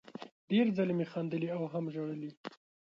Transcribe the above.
ډېر ځلې مې خندلي او هم ژړلي